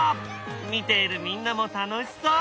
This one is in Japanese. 見ているみんなも楽しそう。